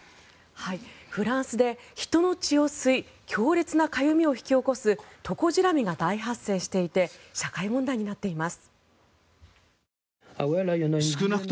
フランスで人の血を吸い強烈なかゆみを引き起こすトコジラミが大発生していて社会問題になっています。